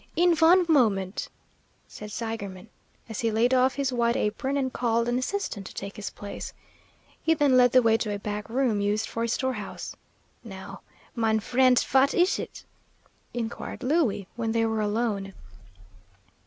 "In von moment," said Seigerman, as he laid off his white apron and called an assistant to take his place. He then led the way to a back room, used for a storehouse. "Now, mine frendt, vat ish id?" inquired Louie, when they were alone.